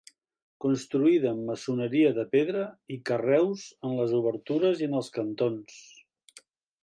Construïda amb maçoneria de pedra i, carreus en les obertures i en els cantons.